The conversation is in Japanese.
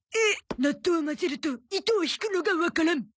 納豆を混ぜると糸を引くのがわからん！